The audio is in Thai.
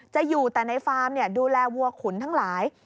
จะอยู่แต่ในฟาร์มดูแลวัวขุนทั้งหลาย